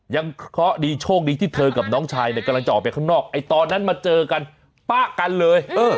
เคราะห์ดีโชคดีที่เธอกับน้องชายเนี่ยกำลังจะออกไปข้างนอกไอ้ตอนนั้นมาเจอกันป๊ะกันเลย